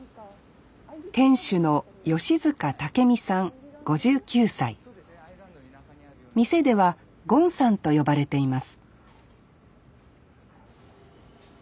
店主の店ではゴンさんと呼ばれています